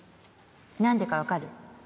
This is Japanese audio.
何でか分かる？